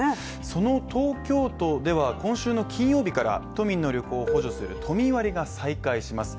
その東京都では今週の金曜日から、都民の旅行を補助する都民割が再開します。